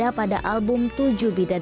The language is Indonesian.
aku akan berubah